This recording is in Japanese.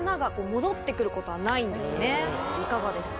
いかがですか？